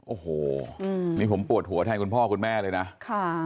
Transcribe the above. โอ้โหผมปวดหัวให้คุณพ่อคุณแม่เลยนะ